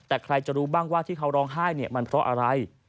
แต่ใครจะรู้บ้างว่าที่เขาร้องไห้เนี่ยมันเพราะอะไร